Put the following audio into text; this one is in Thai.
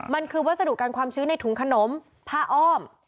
มันคือวัสดุการความชื้นในถุงขนมผ้าอ้อม